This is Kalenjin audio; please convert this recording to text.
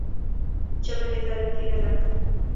Kichome ketoret pik alak.